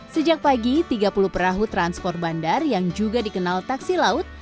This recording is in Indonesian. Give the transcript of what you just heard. sejak pagi tiga puluh perahu transport bandar yang juga dikenal taksi laut